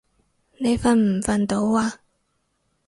你瞓唔瞓到啊？